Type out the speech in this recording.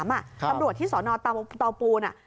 ครับตำรวจที่สนตอปูลอ่ะ